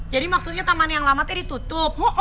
jadi maksudnya taman yang lama itu ditutup